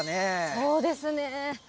そうですね。